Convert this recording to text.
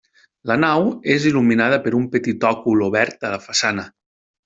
La nau és il·luminada per un petit òcul obert a la façana.